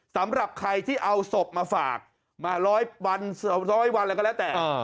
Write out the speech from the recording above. สำหรับใครที่เอาศพมาฝากมา๑๐๐วันร้อยวันอะไรก็แล้วแต่